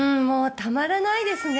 たまらないですね。